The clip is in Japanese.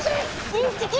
インチキ！